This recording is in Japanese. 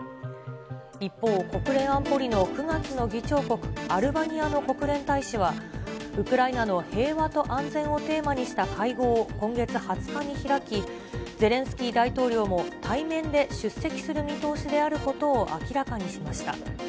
一方、国連安保理の９月の議長国、アルバニアの国連大使は、ウクライナの平和と安全をテーマにした会合を今月２０日に開き、ゼレンスキー大統領も対面で出席する見通しであることを明らかにしました。